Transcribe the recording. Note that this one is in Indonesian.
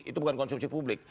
itu bukan konsumsi publik